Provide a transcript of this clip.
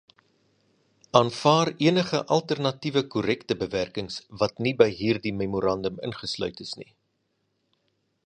Aanvaar enige alternatiewe korrekte bewerkings wat nie by hierdie memorandum ingesluit is nie.